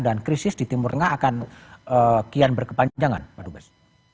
dan krisis di timur tengah akan kian berkepanjangan pak dubes